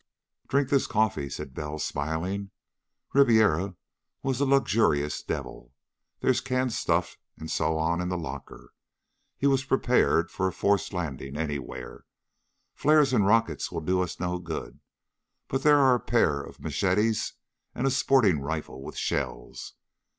"Drink this coffee," said Bell, smiling. "Ribiera was a luxurious devil. There's canned stuff and so on in a locker. He was prepared for a forced landing anywhere. Flares and rockets will do us no good, but there are a pair of machetes and a sporting rifle with shells.